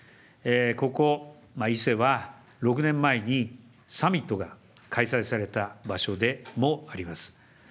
ここ伊勢は、６年前にサミットが開催された場所でもあります。